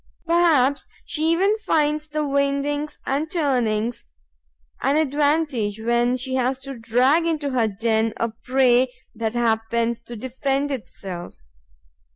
Perhaps she even finds the windings and turnings an advantage, when she has to drag into her den a prey that happens to defend itself.